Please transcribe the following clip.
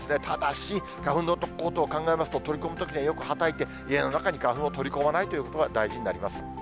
ただし、花粉のことを考えますと、取り込むときにはよくはたいて、家の中に花粉を取り込まないということが大事になります。